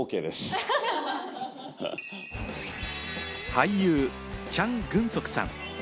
俳優、チャン・グンソクさん。